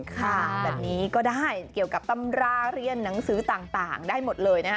ค่ะแบบนี้ก็ได้เกี่ยวกับตำราเรียนหนังสือต่างได้หมดเลยนะฮะ